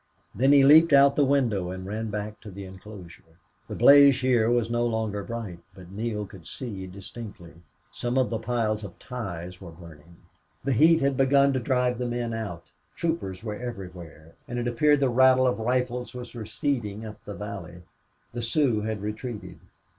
Then he leaped out the window and ran back to the inclosure. The blaze here was no longer bright, but Neale could see distinctly. Some of the piles of ties were burning. The heat had begun to drive the men out. Troopers were everywhere. And it appeared the rattle of rifles was receding up the valley. The Sioux had retreated.